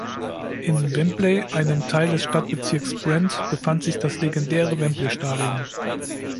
In Wembley, einem Teil des Stadtbezirks Brent, befand sich das legendäre Wembley-Stadion.